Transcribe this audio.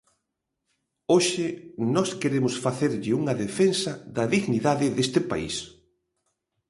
Hoxe nós queremos facerlle unha defensa da dignidade deste país.